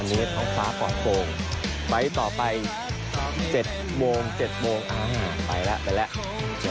อันนี้ท้องฟ้ากอดโปรงไปต่อไป๗โมง๗โมงไปแล้วไปแล้ว